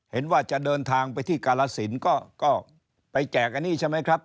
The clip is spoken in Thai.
เห็นว่าจะเดินทางไปที่กาลสินก็ไปแจกอันนี้ใช่ไหมครับ